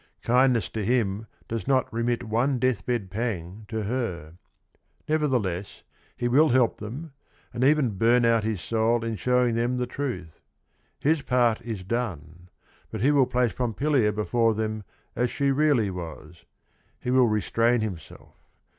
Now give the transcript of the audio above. Ki ndness to him does not "remit__on* dcath bcd pang to "her." NevefthelessT he will help them, and ev en burn out his~soul in showing them the truth. His part is done, but he will place Pompilia before them as she really was. He will restrain himself.